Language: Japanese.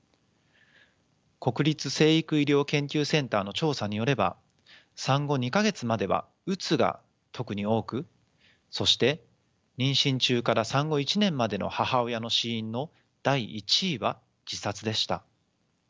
国立成育医療研究センターの調査によれば産後２か月まではうつが特に多くそして妊娠中から産後１年までの母親の死因の第１位は自殺でした。